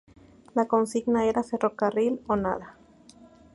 La consigna era ‘ferrocarril o nada’.